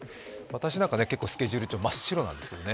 私なんか、結構スケジュール張、真っ白なんですけどね。